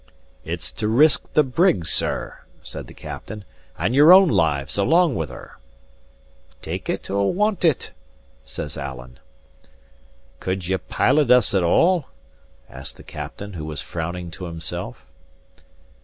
"It's to risk the brig, sir," said the captain, "and your own lives along with her." "Take it or want it," says Alan. "Could ye pilot us at all?" asked the captain, who was frowning to himself.